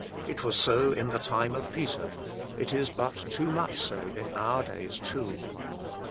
it was so in the time of Peter ; it is but too much so in our days too.